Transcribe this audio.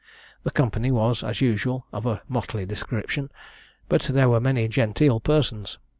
The company was, as usual, of a motley description; but there were many genteel persons.